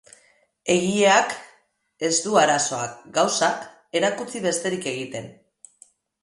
Egileak ez du arazoak, gauzak, erakutsi besterik egiten.